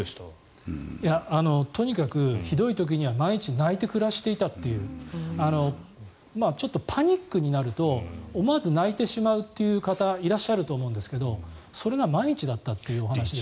とにかくひどい時には毎日泣いて暮らしていたというちょっとパニックになると思わず泣いてしまうという方いらっしゃると思うんですけどそれが毎日だったというお話ですね。